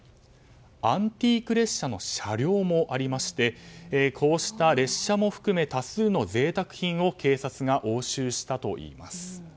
アンティーク列車の車両もありましてこうした列車も含め多数の贅沢品を警察が押収したといいます。